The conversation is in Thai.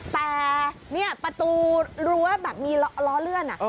แต่ประตูรั้วมีล้อเลื่อนอ่ะ